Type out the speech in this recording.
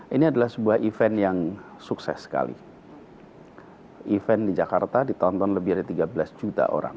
ini adalah sebuah event yang sukses sekali event di jakarta ditonton lebih dari tiga belas juta orang